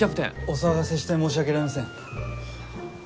お騒がせして申し訳ありません。